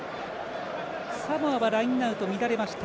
サモアはラインアウト乱れました。